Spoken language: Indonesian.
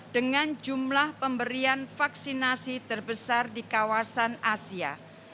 dengan jumlah pemberian vaksinasi terbesar di kawasan asia